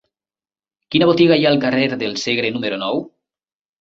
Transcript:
Quina botiga hi ha al carrer del Segre número nou?